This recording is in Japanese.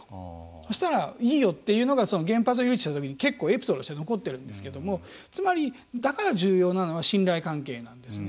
そしたら、いいよっていうのが原発を誘致したときに結構エピソードとして残っているんですけどつまり、だから重要なのは信頼関係なんですね。